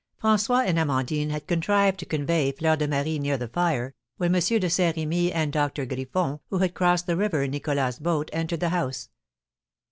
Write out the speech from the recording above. François and Amandine had contrived to convey Fleur de Marie near the fire, when M. de Saint Remy and Doctor Griffon, who had crossed the river in Nicholas's boat, entered the house.